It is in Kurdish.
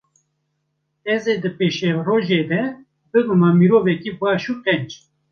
ez ê di pêşerojê de bibima mirovekê baş û qenc.